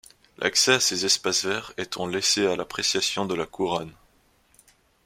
L'accès à ces espaces verts étant laissé à l'appréciation de la couronne.